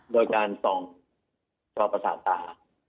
โดยการซองจอปศาธา